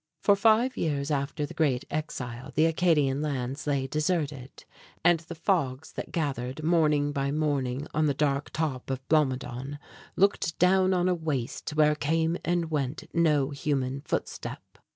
For five years after the great exile the Acadian lands lay deserted, and the fogs that gathered morning by morning on the dark top of Blomidon looked down on a waste where came and went no human footstep.